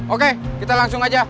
oke kita langsung aja